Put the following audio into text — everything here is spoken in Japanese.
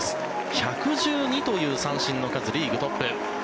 １１２という三振の数リーグトップ。